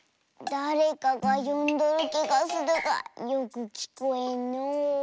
だれかがよんどるきがするがよくきこえんのう。